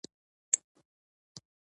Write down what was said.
نوموړی په پنځه اتیا میلادي کال کې پرشا شو